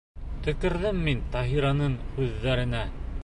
Төкөрҙөм мин Таһираның һүҙҙәренә!